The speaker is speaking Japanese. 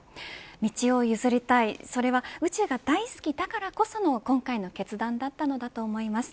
道を譲りたい、それは宇宙が大好きだからこその今回の決断だったのだと思います。